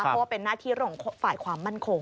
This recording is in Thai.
เพราะว่าเป็นหน้าที่ของฝ่ายความมั่นคง